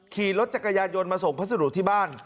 ขี่รถจักรยายนมาส่งพัสดุที่บ้าน